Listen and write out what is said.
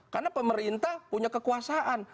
karena pemerintah punya kekuasaan